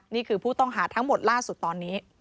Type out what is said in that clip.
นี่คือผู้ต้องหาทั้งหมดล่าสุดตอนนี้